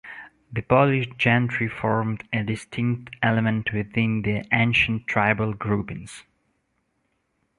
The Polish gentry formed a distinct element within the ancient tribal groupings.